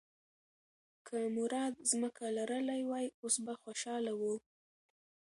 که مراد ځمکه لرلی وای، اوس به خوشاله و.